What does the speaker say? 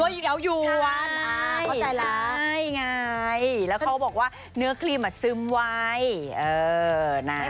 เยาอยู่ใช่ใช่ง่ายแล้วเขาบอกว่าเนื้อครีมอะซึมไว้เออน่ะ